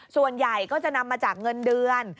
ส่วนใหญ่ก็จะนำมาจากเงินเดือน